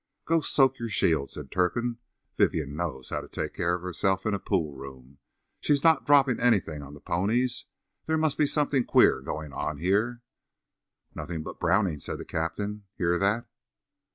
"Go soak your shield," said Turpin. "Vivien knows how to take care of herself in a pool room. She's not dropping anything on the ponies. There must be something queer going on here." "Nothing but Browning," said the captain. "Hear that?"